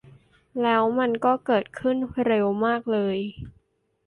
แล้วมันก็เกิดขึ้นเร็วมากเลย